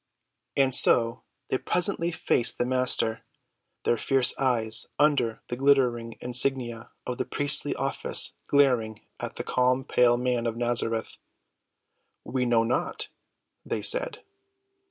And so they presently faced the Master, their fierce eyes under the glittering insignia of the priestly office glaring at the calm, pale Man of Nazareth. "We know not," they said.